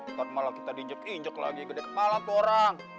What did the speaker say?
atau malah kita diinjek injuk lagi gede kepala tuh orang